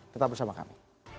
tetap bersama kami